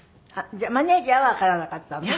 じゃあマネジャーはわからなかったのね。